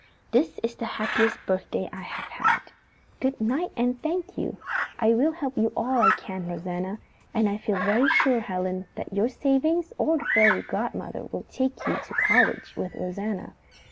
"This is the happiest birthday I have had. Good night, and thank you! I will help you all I can, Rosanna, and I feel very sure, Helen, that your savings or the fairy godmother will take you to college with Rosanna.